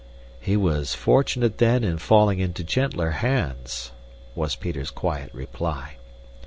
"He was fortunate, then, in falling into gentler hands," was Peter's quiet reply.